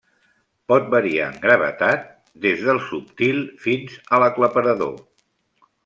Pot variar en gravetat des del subtil fins a l'aclaparador.